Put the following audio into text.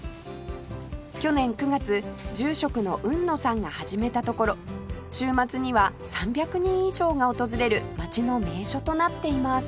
去年９月住職の海野さんが始めたところ週末には３００人以上が訪れる街の名所となっています